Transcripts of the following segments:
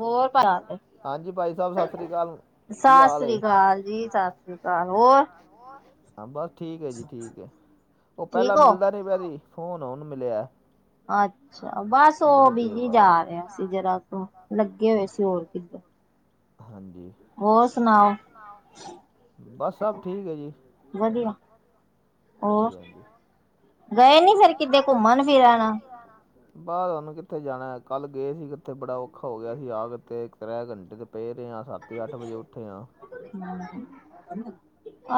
ਹੋਰ? ਸਤਿ ਸ੍ਰੀ ਅਕਾਲ ਜੀ, ਸਤਿ ਸ੍ਰੀ ਅਕਾਲ, ਹੋਰ? ਹਾਂ, ਬਸ ਠੀਕ ਏ ਜੀ, ਠੀਕ ਏ, ਉਹ ਪਹਿਲਾਂ ਮਿਲਦਾ ਪਿਆ ਜੀ, ਫੋਨ ਹੁੰਨ ਮਿਲਿਆ। ਅੱਛਾ, ਬਸ ਉਹ ਬਿਜੀ ਜਾ ਰਿਹਾ ਸੀ ਜਰਾ ਕੁ ਲੱਗੇ ਹੋਏ ਸੀ, ਹੋਰ ਕਿੱਧਰ। ਹਾਂਜੀ, ਹੋਰ ਸੁਣਾਓ, ਬਸ ਸਭ ਠੀਕ ਐ ਜੀ। ਵਧੀਆ। ਹਾਂਜੀ-ਹਾਂਜੀ। ਗਏ ਨੀ ਫਿਰ, ਕਿਦੇ ਘੁੰਮਣ-ਫਿਰਨ? ਬਸ ਹੂਣ ਕਿੱਥੇ ਜਾਣਾ, ਕੱਲ੍ਹ ਗਏ ਸੀ ਕਿੱਥੇ ਬੜਾ ਔਖਾ ਹੋਗਿਆ ਹੀ, ਆਕੇ ਤੇ ਇੱਕ ਤਰੈ ਘੰਟੇ ' ਪਏ ਰਹੇ ਹਾਂ ਤੇ, ਅੱਠ ਵਜੇ ਉੱਠੇ ਆਂ। ਹੂੰ-ਹੂੰ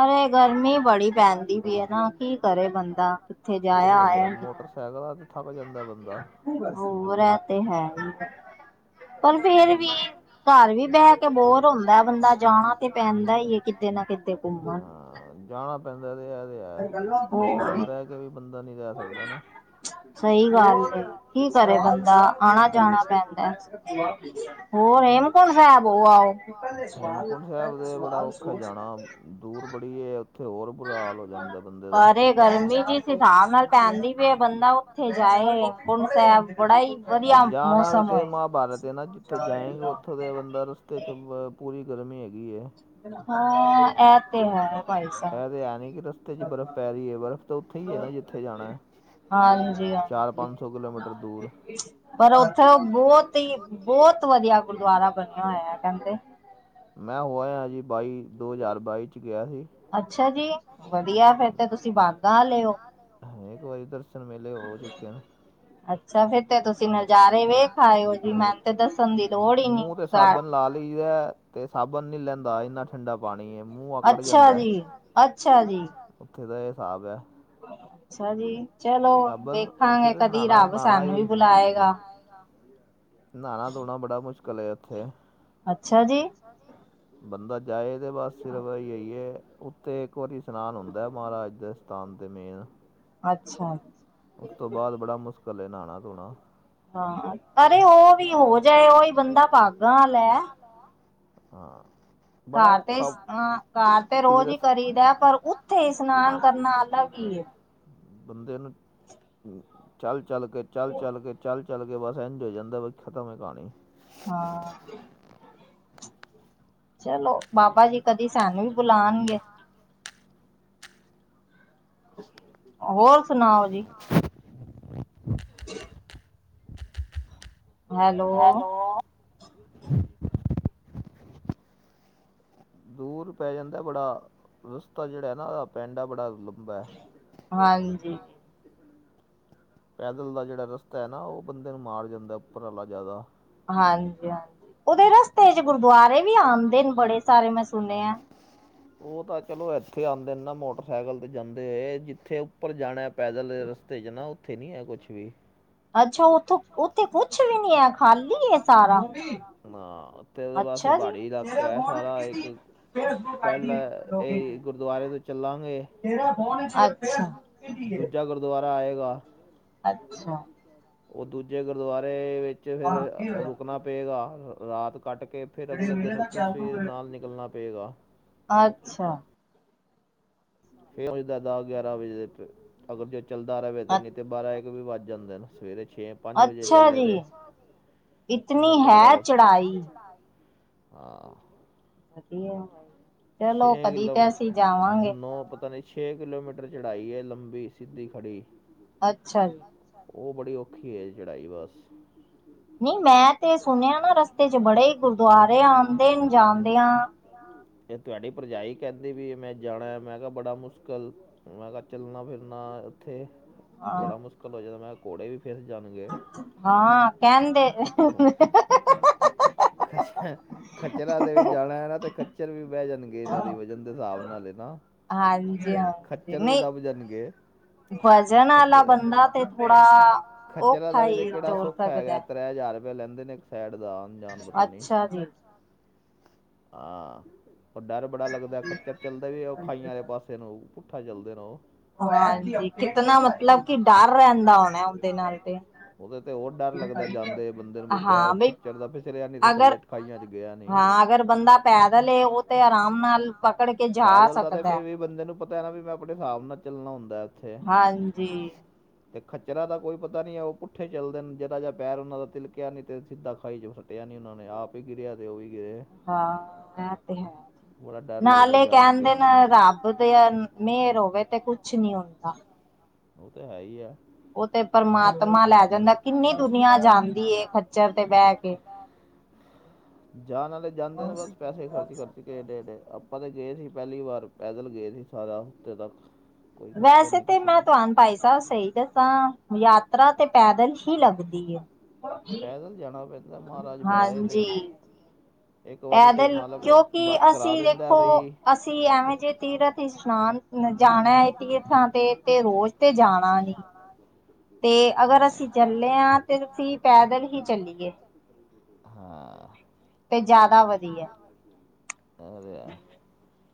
ਅਰੇ ਗਰਮੀ ਬੜੀ ਪੈਂਦੀ ਪਈ ਏ ਨਾ, ਕੀ ਕਰੇ ਬੰਦਾ ਕਿੱਥੇ ਜਾਇਆ-ਆਇਆ ਨੀ ਸੈਕਲਾ ਤੇ ਥੱਕ ਜਾਂਦਾ ਬੰਦਾ। ਹੋਰ, ਐ ਤੇ ਹੈਈ ਐ। ਪਰ ਫੇਰ ਵੀ, ਘਰ ਵੀ ਬਹਿਕੇ ਬੋਰ ਹੁੰਦਾ ਬੰਦਾ, ਜਾਣਾ ਤੇ ਪੈਂਦਾ ਈ ਏ ਕਿਤੇ ਨਾ ਕਿਤੇ। ਹਾਂ, ਜਾਣਾ ਪੈਂਦਾ ਤੇ ਐ ਤੇ ਹੈ, ਘਰ ਬਹਿਕੇ ਵੀ ਬੰਦਾ ਨੀ ਰਹਿ ਸਕਦਾ ਨਾ। ਸਹੀ ਗੱਲ ਏ, ਕੀ ਕਰੇ ਬੰਦਾ ਆਣਾ-ਜਾਣਾ ਪੈਂਦੈ। ਹੋਰ, ਹੇਮਕੁੰਟ ਸਾਹਿਬ ਹੋ ਆਓ। ਦੂਰ ਬੜੀ ਏ ਅਰੇ ਗਰਮੀ ਜਿਸ ਹਿਸਾਬ ਨਾਲ ਪੈਂਦੀ ਪਈ ਏ, ਬੰਦਾ ਓ ਜਾਣਾ ਵੀ ਤੇ ਮਹਾਭਾਰਤ ਏ ਨਾ, ਜਿੱਥੋਂ ਜਾਏਂਗੇ, ਉੱਥੋਂ ਬੰਦਾ, ਰਸਤੇ'ਚ ਪੂਰੀ ਗਰਮੀ ਹੈਗੀ ਏ। ਐਤੇ ਹੈ ਨਹੀਂ ਕਿ ਰਸਤੇ'ਚ ਈ ਬਰਫ਼ ਪੈ ਰਹੀ ਏ, ਬਰਫ਼ ਤੇ ਉੱਥੇ ਈਏ ਨਾ, ਜਿੱਥੇ ਜਾਣਾ। ਹਾਂਜੀ-ਹਾਂਜੀ, ਪਰ ਉੱਥੋ ਬਹੁਤ ਤੀ, ਬਹੁਤ ਵਧੀਆ ਗੁਰਦੁਆਰਾ ਬਣਿਆ ਹੋਇਆ ਕਹਿੰਦੇ। ਮੈਂ ਹੋ ਆਇਆਂ ਜੀ, ਬਾਈ ਦੋ ਹਜ਼ਾਰ ਬਾਈ'ਚ ਗਿਆ ਹੀ ਹਾਂ, ਇੱਕ ਵਾਰੀ ਦਰਸ਼ਨ ਮੇਲੇ ਹੋ ਚੁੱਕੇਨ। ਮੈ ਫੇਰ, ਤੁਸੀ ਨਜ਼ਾਰੇ ਵੇਖ ਆਏ ਓ। ਮੂੰਹ ਤੇ ਸਾਬਣ ਲਾ ਲਈਦਾ, ਤੇ ਸਾਬਣ ਨੀ ਲੈਂਦਾ, ਇੰਨਾ ਠੰਡਾ ਪਾਣੀ ਏ, ਮੂੰਹ ਅਕੜ ਜਾਂਦੈ, ਉੱਥੇ ਦਾ ਇਹ ਸ੍ਹਾਬ ਐ। ਅੱਛਾ ਜੀ, ਚਲੋ, ਦੇਖਾਂਗੇ ਕਦੀ ਰੱਬ ਸਾਨੂੰ ਵੀ ਬੁਲਾਏਗਾ। ਆਏਗਾ। ਨਹਾਣਾ-ਧੋਣਾ ਬੜਾ ਮੁਸ਼ਕਿਲ ਏ, ਉੱਥੇ। ਅੱਛਾ ਜੀ! ਬੰਦਾ ਜਾਏ, ਤਾਂ ਬਸ ਸਿਰਫ ਆ ਏਈ ਏ ਤੇ ਇੱਕ ਵਾਰੀ ਸਨਾਨ ਹੁੰਦੈ, ਮਹਾਰਾਜ ਦੇ ਸਥਾਨ ਤੇ ਮੇਨ। ਅੱਛਾ। ਉਸ ਤੋਂ ਬਾਦ ਬੜਾ ਮੁਸ਼ਕਿਲ ਏ, ਨ੍ਹਾਣਾ-ਧੋਣਾ। ਹਾਂ, ਅਰੇ ਓ ਵੀ ਹੋ ਜਾਏ, ਓਈ ਬੰਦਾ ਭਾਗਾਂ ਆਲੈ। ਹਾਂ। ਘਰ ਤੇ, ਅ ਘਰ ਤੇ ਰੋਜ਼ ਹੀ ਕਰੀਦਾ ਪਰ ਉੱਥੇ ਇਸ਼ਨਾਨ ਕਰਨਾ ਅਲੱਗ ਹੀ ਹੈ। ਬੰਦੇ ਨੂੰ ਚੱਲ- ਚੱਲ ਕੇ, ਚੱਲ- ਚੱਲ ਕੇ, ਚੱਲ- ਚੱਲ ਕੇ ਬਸ ਇੰਝ ਹੋ ਜਾਂਦਾ ਬਸ ਖ਼ਤਮ ਹੇ ਕਹਾਣੀ। ਹਾਂ। ਚਲੋ, ਬਾਬਾ ਜੀ ਕਦੀ ਸਾਨੂੰ ਵੀ ਬੁਲਾਉਣ ਹੋਰ ਸੁਣਾਓ ਜੀ। [inaudible] ਹੈਲੋ, ਦੂਰ ਪੈ ਜਾਂਦਾ ਬੜਾ, ਰਸਤਾ ਜਿਹੜਾ ਨਾ ਪੈਂਡਾ ਹੈ ਬੜਾ ਲੰਬਾ ਹੈ। ਹਾਂਜੀ। ਪੈਦਲ ਦਾ ਜਿਹੜਾ ਰਸਤਾ ਹੈ ਨਾ ਉਹ ਬੰਦੇ ਨੂੰ ਮਾਰ ਜਾਂਦਾ ਉੱਪਰ ਵਾਲਾ ਜ਼ਿਆਦਾ। ਹਾਂਜੀ- ਹਾਂਜੀ। ਉਹਦੇ ਰਸਤੇ ਚ' ਗੁਰਦੁਆਰੇ ਵੀ ਆਉਂਦੇ ਨੇ ਬੜੇ ਸਾਰੇ ਮੈਂ ਸੁਣਿਆ। ਉਹ ਤਾਂ ਚਲੋ ਇੱਥੇ ਆਉਂਦੇ ਨੇ ਨਾ ਮੋਟਰਸਾਈਕਲ ਤੇ ਜਾਂਦੇ ਹੋਏ ਜਿੱਥੇ ਉੱਪਰ ਜਾਣਾ ਪੈਦਲ ਰਸਤੇ ਚ' ਨਾ ਉੱਥੇ ਨਹੀ ਹੈ ਕੁਛ ਵੀ। ਅੱਛਾ ਉੱਥੋਂ- ਉੱਥੇ ਕੁੱਛ ਵੀ ਨੀ ਹੈ ਖਾਲੀ ਹੈ। ਹਾਂ, ਉੱਥੇ ਤੇ ਬਸ ਪਹਾੜੀ ਇਲਾਕਾ ਹੈ ਸਾਰਾ ਇੱਕ ਪਹਿਲਾਂ ਇਹ ਗੁਰਦੁਆਰੇ ਤੋਂ ਚੱਲਾਂਗੇ। ਅੱਛਾ। ਗੁਰਦੁਆਰਾ ਆਏਗਾ। ਅੱਛਾ। ਉਹ ਦੂਜੇ ਗੁਰਦੁਆਰੇ ਵਿੱਚ ਫਿਰ ਰੁਕਣਾ ਪਏਗਾ, ਰਾਤ ਕੱਟ ਕੇ। ਫਿਰ ਅਗਲੇ ਦਿਨ ਉੱਥੋਂ ਸਵੇਰ ਨਾਲ ਨਿਕਲਣਾ ਪਏਗਾ। ਅੱਛਾ। ਫਿਰ ਉਹੀ ਦਸ- ਗਿਆਰਾਂ ਵਜੇ ਅਗਰ ਜੇ ਚੱਲਦਾ ਰਹੇ ਤਾਂ ਨਹੀਂ ਤੇ ਬਾਰਾਂ- ਇਕ ਵੀ ਵੱਜ ਜਾਂਦੇ ਨੇ। ਸਵੇਰੇ ਛੇ ਪੰਜ ਵਜੇ ਚੱਲੇ ਨੇ। ਇਨਾ ਤਕੜਾ ਹਾਂ। ਵਧੀਆ। ਛੇ ਕਿਲੋਮੀਟਰ ਨੌ ਪਤਾ ਨਹੀਂ। ਛੇ ਕਿਲੋਮੀਟਰ ਚੜ੍ਹਾਈ ਹੈ ਲੰਬੀ, ਸਿੱਧੀ, ਖੜ੍ਹੀ। ਅੱਛਾ ਜੀ। ਉਹ ਬੜੀ ਔਖੀ ਹੈ ਜੀ ਚੜ੍ਹਾਈ ਬਸ। ਨਹੀਂ ਮੈਂ ਤੇ ਸੁਣਿਆ ਨਾ ਰਸਤੇ ਚ' ਬੜੇ ਹੀ ਗੁਰਦੁਆਰੇ ਆਉਂਦੇ ਨੇ ਜਾਂਦਿਆਂ। ਇਹ ਤੁਹਾਡੀ ਭਰਜਾਈ ਕਹਿੰਦੀ ਵੀ ਮੈਂ ਜਾਣਾ, ਮੈਂ ਕਿਹਾ ਬੜਾ ਮੁਸ਼ਕਿਲ ਮੈਂ ਕਿਹਾ ਚੱਲਣਾ ਫਿਰਨਾ ਉੱਥੇ, ਬੜਾ ਮੁਸ਼ਕਿਲ ਹੋ ਜਾਦਾ ਮੈਂ ਕਿਹਾ ਘੋੜੇ ਵੀ ਫਿਸ ਜਾਣਗੇ। ਖੱਚਰ ਖੱਚਰਾਂ ਤੇ ਵੀ ਜਾਣਾ ਹੈ ਨਾ ਤੇ ਖੱਚਰ ਵੀ ਬਹਿ ਜਾਣਗੇ ਇਹਨਾਂ ਦੀ ਵਜਨ ਦੇ ਹਿਸਾਬ ਨਾਲ ਨਾ। ਖੱਚਰ ਵੀ ਦੱਬ ਜਾਣਗੇ। ਖਚ- ਖੱਚਰਾਂ ਦਾ ਵੀ ਤੇ ਕਿਹੜਾ ਸੌਖਾ ਹੈਗਾ। ਤ੍ਰੈ ਹਜ਼ਾਰ ਰੁਪਇਆ ਲੈਂਦੇ ਨੇ ਇੱਕ ਸਾਈਡ ਦਾ ਆਣ- ਜਾਣ ਪਤਾ ਨੀ। ਹਾਂ। ਡਰ ਬੜਾ ਲੱਗਦਾ ਖੱਚਰ ਚੱਲਦਾ ਵੀ ਉਹ ਖਾਈਆਂ ਵਾਲੇ ਪਾਸੇ। ਜਦੋਂ ਪੁੱਠਾ ਚੱਲਦੇ ਨੇ ਉਹ। ਹ ਹਾਂਜੀ, ਕਿਤਨਾ ਮਤਲਬ ਕਿ ਡਰ ਰਹਿੰਦਾ ਹੋਣਾ ਉਹਦੇ ਨਾਲ ਤੇ। ਉਹਦੇ ਤੇ ਹੋਰ ਡਰ ਲੱਗਦਾ ਜਾਂਦੇ ਬੰਦੇ ਨੂੰ, ਬਈ ਪੈਰ ਖੱਚਰ ਦਾ ਫਿਸਲਿਆ ਨੀ ਤੇ ਥੱਲੇ ਖਾਈਆਂ ਚ ਗਿਆ ਨੀ। ਹ ਅਗਰ ਬੰਦਾ ਪੈਦਲ ਹੋਵੇ ਤੇ ਆਰਾਮ ਨਾਲ, ਪੈਦਲ ਦਾ ਫਿਰ ਵੀ ਬੰਦੇ ਨੂੰ ਪਤਾ ਹੈ ਨਾ ਵੀ ਮੈਂ ਆਪਣੇ ਹਿਸਾਬ ਨਾਲ ਚੱਲਣਾ ਹੁੰਦਾ ਇੱਥੇ। ਤੇ ਖੱਚਰਾ ਦਾ ਕੋਈ ਪਤਾ ਨੀ ਹੈ ਉਹ ਪੁੱਠੇ ਚੱਲਦੇ ਨੇ ਜਰਾ ਜਹਾ ਪੈਰ ਉਹਨਾਂ ਦਾ ਤਿਲਕਿਆ ਨੀ ਤੇ ਸਿੱਧਾ ਖਾਈ ਜਾਵੇ। ਪਿਆ ਨੀ ਉਹਨਾਂ ਨੇ, ਆਪ ਹੀ ਗਿਰਿਆ ਤੇ ਉਹ ਵੀ ਗਿਰੇ। ਹਾਂ, ਇਹ ਤੇ ਹੈ। ਨਾਲੇ ਕਹਿੰਦੇ ਨਾ ਰੱਬ ਦੇ ਮਿਹਰ ਹੋਵੇ ਤੇ ਕੁਛ ਨੀ ਹੁੰਦਾ। ਉਹ ਤੇ ਹੈ ਹੀ ਆ। ਤੇ ਪਰਮਾਤਮਾ ਲੈ ਜਾਂਦਾ ਕਿੰਨੀ ਦੁਨੀਆ ਜਾਂਦੀ ਹ ਖੱਚਰ ਤੇ ਬਹਿ ਕੇ। ਜਾਣ ਵਾਲੇ ਜਾਂਦੇ ਨੇ, ਬਸ ਪੈਸੇ ਖਰਚ ਕਰਦੇ। ਗਏ ਦੇ ਨੇ, ਆਪਾਂ ਤੇ ਗਏ ਸੀ, ਪਹਿਲੀ ਵਾਰ ਪੈਦਲ ਗਏ ਸੀ, ਸਾਰਾ ਹਫ਼ਤੇ ਤੱਕ। ਕੋਈ ਖੱਚਰ ਨਹੀਂ, ਕੁਛ ਨਹੀਂ। ਪੈਦਲ ਜਾਣਾ ਪੈਂਦਾ, ਮਹਾਰਾਜ ਬੁਲਾਏ ਤੇ। ਹਾਂਜੀ ਪੈਦਲ, ਕਿਉਂਕਿ ਅਸੀਂ 'ਦੇਖੋ ਅਸੀਂ ਐਵੇਂ ਜੇ ਤੀਰਥ ਇਸ਼ਨਾਨ ਜਾਣਾ ਹੈ ਏ ਤੀਰਥਾਂ ਤੇ, ਤੇ ਰੋਜ਼ ਤੇ ਜਾਣਾ ਨੀ। ਤੇ ਅਗਰ ਅਸੀਂ ਚੱਲੇ ਹਾਂ, ਤੇ ਫਿਰ ਅਸੀਂ ਪੈਦਲ ਹੀ ਚੱਲੀਏ। ਹਾਂ, ਇਹ ਤੇ ਹੈ।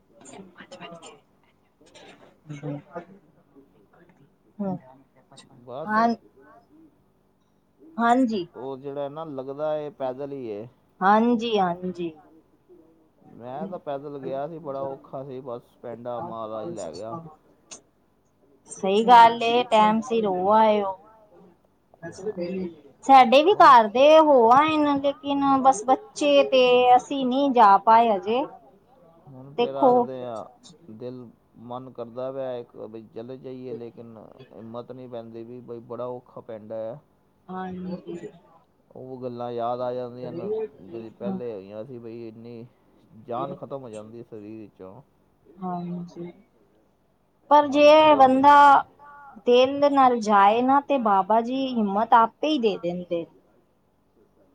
[unintelligible] ਹੂ, ਹਾ [unintelligible] ਹਾਂਜੀ। ਉਹ ਜਿਹੜਾ ਨਾ ਲੱਗਦਾ ਏ, ਇਹ ਪੈਦਲ ਹੀ ਐ। ਹਾਂਜੀ, ਹਾਂਜੀ। ਮੈਂ ਤਾਂ ਪੈਦਲ ਗਿਆ ਸੀ ਬੜਾ ਔਖਾ ਸੀ ਬਸ ਪੈਂਡਾ, ਮਹਾਰਾਜ ਲੈ ਗਿਆ। ਸਹੀ ਗੱਲ ਏ, ਟੈਮ ਸਿਰ ਹੋ ਆਏ ਹੋ। ਸਾਡੇ ਵੀ ਘਰ ਦੇ ਹੋ ਆਏ ਨੇ, ਲੇਕਿਨ ਬਸ ਬੱਚੇ ਤੇ ਅਸੀਂ ਨਹੀਂ ਜਾ ਪਾਏ ਹਜੇ। ਹੁਣ ਫੇਰ ਆਖਦੇ ਆ। ਦਿਲ, ਮਨ ਕਰਦਾ ਪਿਆ ਇੱਕ, ਚਲੇ ਜਾਈਏ ਲੇਕਿਨ ਹਿੰਮਤ ਨਹੀਂ ਪੈਂਦੀ ਵੀ, ਬਈ ਬੜਾ ਔਖਾ ਪੈਂਡਾ ਐ। ਹਾਂਜੀ। ਉਹ ਗੱਲਾਂ ਯਾਦ ਆ ਜਾਂਦੀਆਂ ਹਨ, ਜਿੜੀ ਪਹਿਲੇ ਹੋਈਆਂ ਸੀ ਬਈ ਇੰਨੀ ਜਾਨ ਖਤਮ ਹੋ ਜਾਂਦੀ ਹੈ ਸਰੀਰ ਵਿੱਚੋਂ। ਹਾਂਜੀ। ਪਰ ਜੇ ਬੰਦਾ ਦਿਲ ਨਾਲ ਜਾਏ ਨਾ ਤੇ, ਬਾਬਾ ਜੀ ਹਿੰਮਤ ਆਪੇ ਹੀ ਦੇ ਦਿੰਦੇ।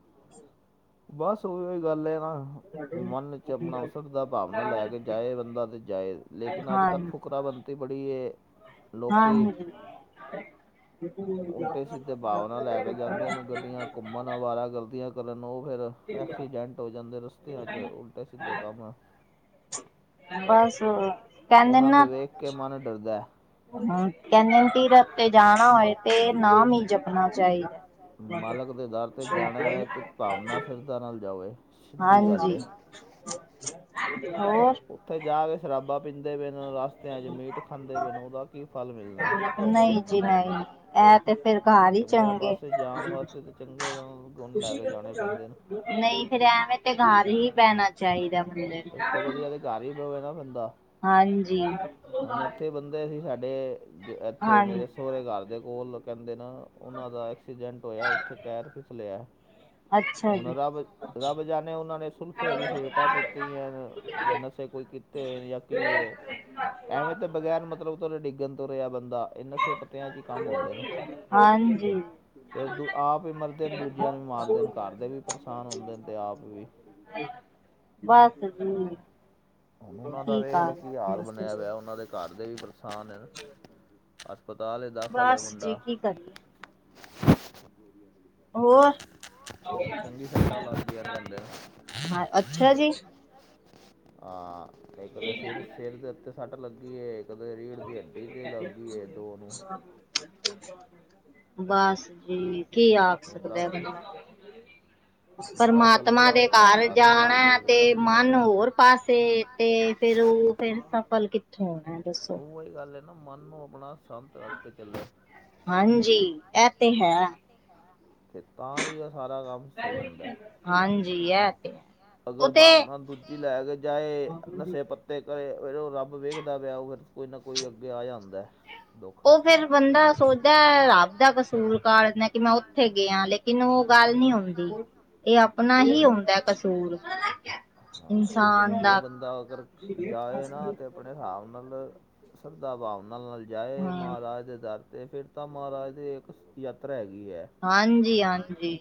[unintelligible] ਬਸ ਉਹੀ ਗੱਲ ਏ ਨਾ ਮਨ ਚ ਆਪਣਾ ਉਸੜ ਦਾ ਭਾਵਨਾ ਲੈ ਕੇ ਜਾਏ ਬੰਦਾ ਤੇ ਜਾਏ, ਲੇਕਿਨ ਅੱਜ -ਕੱਲ੍ਹ ਫੁਕਰਾ ਬੰਦਾ ਬੜੀ ਇਹ ਹਮ। ਘੁੰਮਣ, ਅਵਾਰਾ ਗਰਦੀਆਂ ਕਰਨ ਨੂੰ ਉਹ ਫਿਰ ਐਕਸੀਡੈਂਟ ਹੋ ਜਾਂਦੇ ਰਸਤਿਆਂ 'ਚ ਉਲਟੇ ਸਿੱਧੇ ਕੰਮ ਬਸ ਕਹਿੰਦੇ ਨਾ, ਕੇ ਮਨ ਡਰਦਾ ਐ। [unintelligible] ਦਾ ਤੇ ਜਾਣਾ ਹੋਏ ਤੇ ਨਾਮ ਈ ਜਪਨਾ ਚਾਈਦਾ। ਭਾਵਨਾ, ਸਰਦਾ ਨਾਲ ਜਾਵੇ। ਹਾਂਜੀ ਹੋਰ? ਉੱਥੇ ਜਾ ਕੇ ਸ਼ਰਾਬਾਂ ਪੀਂਦੇ ਪਏ ਨੇ, ਰਸਤਿਆਂ ਚ ਮੀਟ ਖਾਂਦੇ ਪਏ ਨੇ ਓਦਾ ਕੀ ਫਲ ਮਿਲਨੈ। ਨਈ ਜੀ ਨਈ ਐ ਤੇ ਫਿਰ ਸਾਰੇ ਈ ਚੰਗੇ ਨਈ ਫੇਰ ਐਵੇਂ ਤੇ ਘਰ ਹੀ ਬੈਣਾ ਚਾਈਦਾ ਮੁੰਡੇ ਨੂੰ। ਹਾਂਜੀ ਕੈਂਦੇ ਸੀ ਸਾਡੇ ਇੱਥੇ ਮੇਰੇ ਸੋਰੇ ਘਰ ਦੇ ਕੋਲ ਓ ਕੈਂਦੇ ਨੇ ਉਨਾਂ ਦਾ ਐਕਸੀਡੈਂਟ ਹੋਇਆ ਉੱਥੇ ਟੈਰ ਫਿਸਲਿਆ ਹੁਣ ਰਬ ਰੱਬ ਜਾਣੇ ਉਨਾਂ ਨੇ ਸੁਲਫੇ ਦੀਆ ਸੇਟਾਂ ਪੀਤੀਆਂ ਨੇ। ਯਾ ਨਸ਼ੇ ਕੋਈ ਕੀਤੇ ਹੋਏ ਨੇ ਯਾ ਕੀ ਏ। ਐਵੇਂ ਤੇ ਬਗੈਰ ਮਤਲਬ ਤੋ ਡਿੱਗਣ ਤੋ ਰਿਆ ਬੰਦਾ ਏ ਨਸ਼ੇ ਪੱਤਿਆਂ ਚੀ ਕੰਮ ਹੁੰਦੇ ਨੇ। ਏ ਦ ਆਪ ਵੀ ਮਰਦੇ ਨੇ ਦੂਜਿਆਂ ਨੂੰ ਵੀ ਮਾਰਦੇ ਨੇ ਘਰਦੇ ਵੀ ਪਰੇਸ਼ਾਨ ਹੁੰਦੇ ਨੇ ਤੇ ਆਪ ਵੀ ਬਸ ਜੀ। ਹੁਣ ਉਨਾਂ ਦਾ ਵੇਖ ਲਓ ਕਿ ਹਾਲ ਬਨੇਆ ਪੇਆ ਉਨਾਂ ਦੇ ਘਰ ਦੇ ਵੀ ਪਰੇਸ਼ਾਨ ਐਨ। ਅਸਪਤਾਲ ਏਦਾ ਬਸ ਜੀ ਕੀ ਕਰੀਏ? [inaudible] ਹੋਰ, ਹਾਂ ਅੱਛਾ ਜੀ। ਹਾਂ, ਇੱਕ ਦੇ ਸਿਰ-ਸੇਰ ਦੇ ਉੱਤੇ ਸੱਟ ਲੱਗੀ ਏ। ਕਦੇ ਰੀੜ ਦੀ ਹੱਡੀ ਤੇ ਲੱਗ ਗੀ ਏ ਦੋ ਨੂੰ। ਬਾਸ ਜੀ, ਕੀ ਆਖ ਸਕਦੇ ਆਂ [unintelligible] ਬੰਦ। [inaudible] ਪਰਮਾਤਮਾ ਦੇ ਘਰ ਜਾਣਾ ਏ ਤੇ ਮਨ ਹੋਰ ਪਾਸੇ ਤੇ ਫੇਰ ਔ ਫੇਰ ਸਫਲ ਕਿੱਥੋ ਹੋਣਾ ਏ ਦੱਸੋ? ਔਈ ਗੱਲ ਏ ਨਾ ਮਨ ਨੂੰ ਆਪਨਾ ਸੰਤ ਰੱਖ ਕੇ ਚੱਲੇ। ਹਾਂਜੀ, ਐ ਤੇ ਹੈ। ਤੇ ਤਾਂ ਈ ਓ ਸਾਰਾ ਕੰਮ ਸਈ ਹੋਂਦਾ ਐ। ਹਾਂਜੀ। ਅਗਰ, ਭਾਵਨਾ ਦੂਜ ਲੈ ਕੇ ਜਾਏ, ਨਸ਼ੇ ਪੱਤੇ ਕਰੇ, ਫੇਰ ਔ ਰੱਬ ਵੇਖਦਾ ਪਿਆ, ਔ ਫੇਰ ਕੋਈ ਨਾ ਕੋਈ ਅੱਗੇ ਆ ਜਾਂਦਾ ਐ। ਔ ਫੇਰ ਬੰਦਾ ਸੋਚਦੈ ਰੱਬ ਦਾ ਕਸੂੂਰ ਕਾਢ ਦਾ ਕਿ ਮੈਂ ਔਥੇ ਗਿਆ ਲੇਕਿਨ ਔ ਗੱਲ ਨੀ ਹੁੰਦੀ ਏ ਆਪਨਾ ਹੀ ਹੁੰਦਾ ਐ ਕਸੂਰ। ਹਾਂ ਜੇ ਬੰਦਾ ਅਗਰ ਜਾਏ ਨਾ, ਤੇ ਆਪਣੇ ਸਾਬ ਨਾਲ, ਸ਼ਰਧਾ-ਭਾਵਨਾ ਨਾਲ ਜਾਏ, ਮਹਾਰਾਜ ਦੇ ਦਰ ਤੇ ਫਿਰ ਤਾਂ ਮਹਾਰਾਜ ਦੀ ਏਕ ਯਾਤਰਾ ਹੈਗੀ ਐ। ਹਾਂਜੀ-ਹਾਂਜੀ।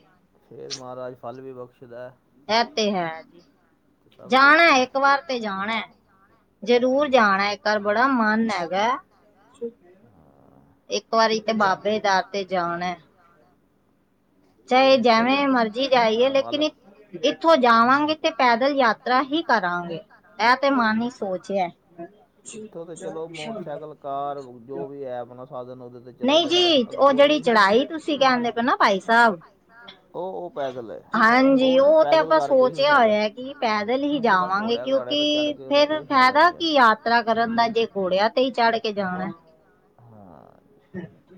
ਫੇਰ ਮਹਾਰਾਜ ਫਲ ਵੀ ਬਖਸ਼ਦੈ। ਐ ਤੇ ਹੈ ਜੀ ਜਾਣਾ ਏਕ ਵਾਰ ਤੇ ਜਾਣੈ। ਜਰੂਰ ਜਾਣੈ ਏਕ ਵਾਰ ਬੜਾ ਮਨ ਹੈਗਾ। ਏਕ ਵਾਰੀ ਤੇ ਬਾਬੇ ਦੇ ਦਰ ਤੇ ਜਾਣੈ। ਚਾਏ, ਜੈਵੇਂ ਮਰਜੀ ਜਾਈਏ ਲੇਕਿਨ ਇੱਕ ਜੀਥੋਂ ਜਾਵਾਂਗੇ, ਤੇ ਪੈਦਲ ਯਾਤਰਾ ਹੀ ਕਰਾਂਗੇ। ਐ ਤੇ ਮਨ ਇਚ ਸੋਚਿਆ। ਇੱਥੋਂ ਤਾਂ ਚਲੋ ਮੋਟਰਸਾਈਕਲ, ਕਾਰ ਜੋ ਵੀ ਐ ਆਪਨਾ ਸਾਧਨ ਔਦੇ ਨਈ ਜੀ, ਔ ਜੜੀ ਚੜਾਈ ਤੁਸੀਂ ਕੈਂਦੇ ਪੇ ਨਾ, ਭਾਈ ਸਾੱਬ ਹਾਂਜੀ, ਔ ਤੇ ਆਪਾਂ ਸੋਚ ਚਆ ਹੋਇਆ ਕਿ ਪੈਦਲ ਹੀ ਜਾਵਾਂਗੇ, ਕਿਉਂਕਿ ਫੇਰ ਫੈਦਾ ਕੀ ਯਾਤਰਾ ਕਰਨ ਦਾ, ਜੇ ਘੋੜਿਆਂ, ਤੇ ਹੀ ਚੜ ਕੇ ਜਾਣਾ। ਹਾਂ।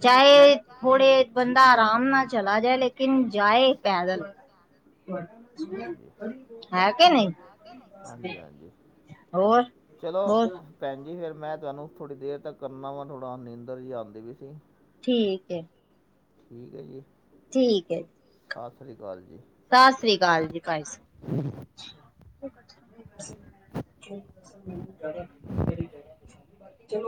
ਚਾਏ, ਥੋੜੇ ਬੰਦਾ ਆਰਾਮ ਨਾਲ ਚਲਾ ਜਾਏ, ਲੇਕਿਨ ਜਾਏ ਪੈਦਲ, ਹੈ ਕੇ ਨਈ। ਹਾਂਜੀ-ਹਾਂਜੀ, ਚਲੋ। ਭੈਣਜੀ, ਫੇਰ ਮੈਂ, ਤੁਆਨੂੰ ਥੋੜ੍ਹੀ ਦੇਰ ਤੱਕ ਕਰਨਾ ਵਾ, ਥੋੜਾ ਨੀਂਦਰ ਜੀ ਆਂਦੀ ਪਈ ਸੀ। ਠੀਕ ਏ। ਠੀਕ ਏ, ਜੀ। ਠੀਕ ਏ। ਸਾਸ ਰੀ ਕਾਲ ਜੀ। ਸਾਸ ਰੀ ਕਾਲ ਜੀ, ਭਾਈ ਸਾਬ। [inaudible]